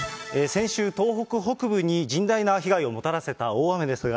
先週、東北北部に甚大な被害をもたらせた大雨ですが、